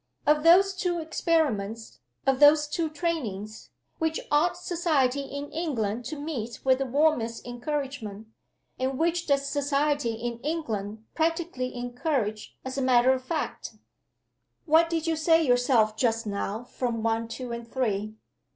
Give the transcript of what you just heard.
Of those two experiments, of those two trainings, which ought society in England to meet with the warmest encouragement? And which does society in England practically encourage, as a matter of fact?" "What did you say yourself just now?" from One, Two, and Three.